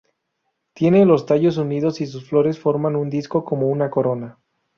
Tiene los tallos unidos y sus flores forman un disco como una corona.